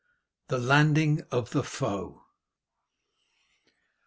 THE LANDING OF THE FOE.